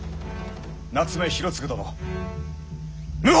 夏目広次殿謀反！